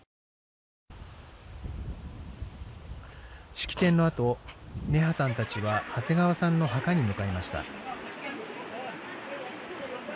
式典のあとネハさんたちは長谷川さんの墓に向かいました。